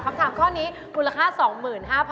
คำถามข้อนี้คุณราคา๒๕๐๐๐บาทค่ะ